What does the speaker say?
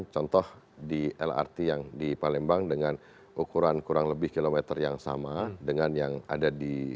contoh di lrt yang di palembang dengan ukuran kurang lebih kilometer yang sama dengan yang ada di